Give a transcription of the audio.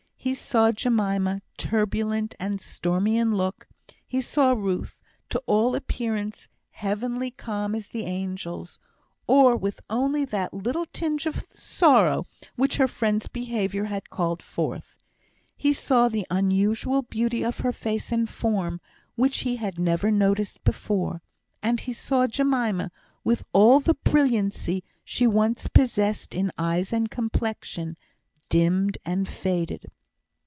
He saw Jemima turbulent and stormy in look; he saw Ruth, to all appearance heavenly calm as the angels, or with only that little tinge of sorrow which her friend's behaviour had called forth. He saw the unusual beauty of her face and form, which he had never noticed before; and he saw Jemima, with all the brilliancy she once possessed in eyes and complexion, dimmed and faded.